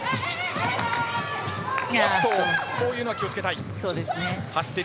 こういうのは気を付けたい。